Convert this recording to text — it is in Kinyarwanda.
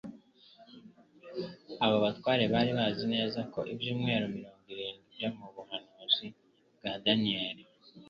Abo batware bari bazi neza ko ibyumweru mirongo irindwi byo mu buhanuzi bwa Danieli